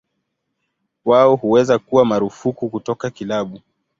Wao huweza kuwa marufuku kutoka kilabu.